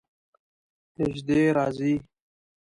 نژدې راځئ